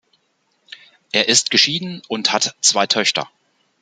Er ist geschieden und hat zwei Töchter.